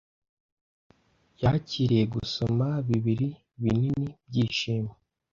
yakiriye gusomana bibiri binini byishimo